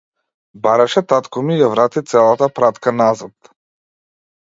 Бараше татко ми ја врати целата пратка назад.